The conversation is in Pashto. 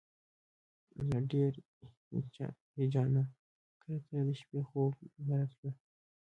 له ډېر هیجانه کله کله د شپې خوب نه راتللو.